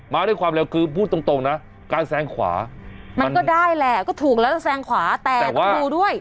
ด้วยความเร็วคือพูดตรงนะการแซงขวามันก็ได้แหละก็ถูกแล้วจะแซงขวาแต่ต้องดูด้วย